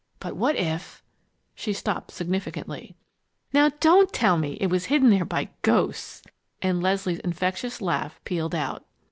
"But what if " She stopped significantly. "Now don't tell me it was hidden there by ghosts!" And Leslie's infectious laugh pealed out.